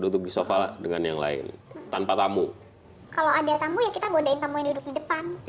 duduk di sofa dengan yang lain tanpa tamu kalau ada tamu ya kita godain tamu yang duduk di depan